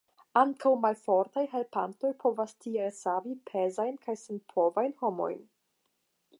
Ankaŭ malfortaj helpantoj povas tiel savi pezajn kaj senpovajn homojn.